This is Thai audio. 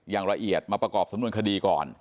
อย่างละเอียดมาประกอบสำนวนคดีก่อน